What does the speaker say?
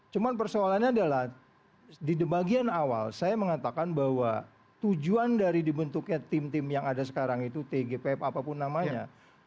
cuma persoalannya adalah di bagian awal saya mengatakan bahwa tujuan dari dibentuknya tim tim yang ada sekarang itu tgpf apapun namanya